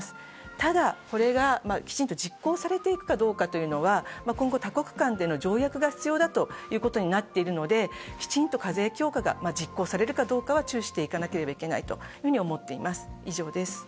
ただ、これがきちんと実行されていくかどうかというのは、今後、多国間での条約が必要だということになっているのできちんと課税強化が実行されるかどうかは注視していかなければならないと思っています。